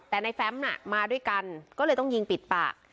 แต่ในแฟมน่ะมาด้วยกันก็เลยต้องยิงปิดปาก